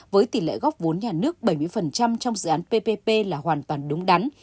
với tỷ lệ góp vốn nhà nước bảy mươi trong dự án ppp là hoàn toàn đúng đắn